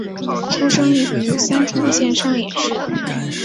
出生于三重县上野市。